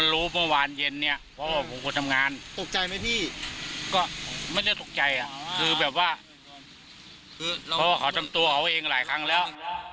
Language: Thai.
อ่าเพราะว่าผมก็ทำงานตกใจไหมพี่ก็ไม่ได้ตกใจอ่ะคือแบบว่าอยวกเขาจำตัวเอาเองหลายครั้งแล้ว